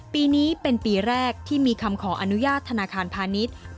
ปีนี้เป็นปีแรกที่มีคำขออนุญาตธนาคารพาณิชย์